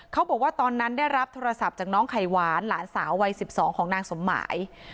เขาบอกว่าตอนนั้นได้รับโทรศัพท์จากน้องไข่หวานหลานสาววัย๑๒ของนางสมหมาย